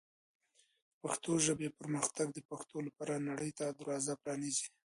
د پښتو ژبې پرمختګ د پښتو لپاره نړۍ ته دروازه پرانیزي.